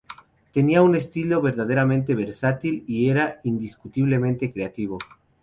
Tenía un estilo verdaderamente versátil y era indiscutiblemente creativo.